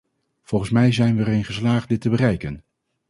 Volgens mij zijn we erin geslaagd dit te bereiken.